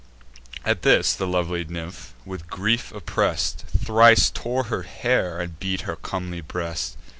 At this the lovely nymph, with grief oppress'd, Thrice tore her hair, and beat her comely breast.